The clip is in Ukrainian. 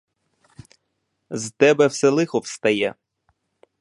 З тебе все лихо встає.